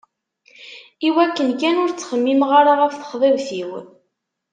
Iwakken kan ur ttxemmimeɣ ara ɣef texḍibt-iw.